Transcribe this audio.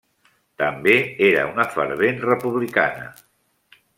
També era una fervent republicana.